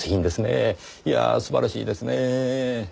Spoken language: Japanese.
いやあ素晴らしいですねぇ。